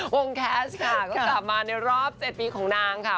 แคสค่ะก็กลับมาในรอบ๗ปีของนางค่ะ